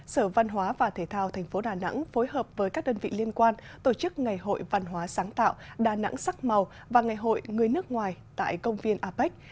sở văn hóa và thể thao tp đà nẵng phối hợp với các đơn vị liên quan tổ chức ngày hội văn hóa sáng tạo đà nẵng sắc màu và ngày hội người nước ngoài tại công viên apec